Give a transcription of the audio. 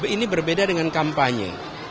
ini berbeda dengan kampanye